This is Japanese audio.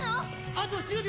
「あと１０秒」